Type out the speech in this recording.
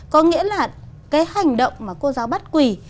có nghĩa là cái hành động mà cô giáo bắt quỳ